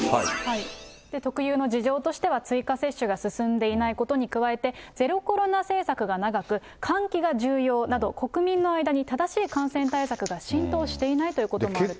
特有の事情としては、追加接種が進んでいないことに加えて、ゼロコロナ政策が長く、換気が重要など、国民の間に正しい感染対策が浸透していないということもあると。